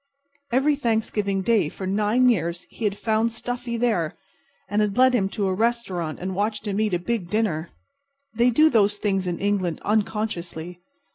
Every Thanksgiving Day for nine years he had found Stuffy there, and had led him to a restaurant and watched him eat a big dinner. They do those things in England unconsciously.